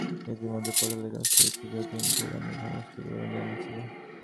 ইতিমধ্যে পটলের কাছ হইতে যতীন কুড়ানির সমস্ত বিবরণ জানিয়াছিল।